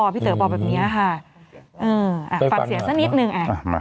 เต๋อบอกแบบนี้ค่ะฟังเสียงสักนิดนึง